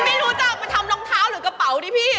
ไม่รู้จะเอาไปทำรองเท้าหรือกระเป๋าดิพี่